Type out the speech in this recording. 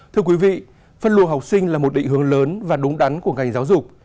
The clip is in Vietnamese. thưa quý vị phân luồng học sinh là một định hướng lớn và đúng đắn của ngành giáo dục